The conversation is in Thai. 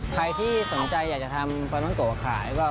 ใครที่สนใจอยากจะทำปลาท้องโกะขายก็